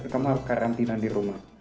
kamu harus karantina di rumah